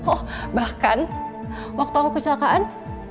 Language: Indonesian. oh bahkan waktu aku kecelakaan